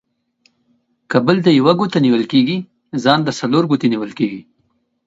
که بل ته يوه گوته نيول کېږي ، ځان ته څلور گوتي نيول کېږي.